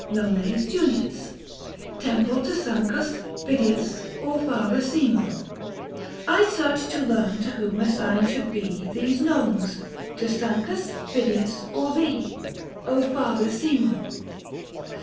250 NON. JUN. TEMPLE TO SANCUS, FIDIUS, OR FATHEE SEMO. I searched to learn to whom assigned should be These nones — to Sancus, Fidius or thee, Father Semo